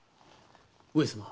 上様。